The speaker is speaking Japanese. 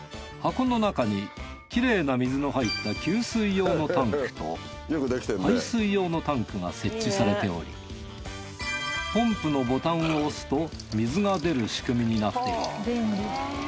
箱の中にきれいな水の入った給水用のタンクと排水用のタンクが設置されておりポンプのボタンを押すと水が出る仕組みになっている。